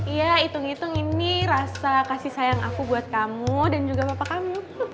iya hitung hitung ini rasa kasih sayang aku buat kamu dan juga bapak kamu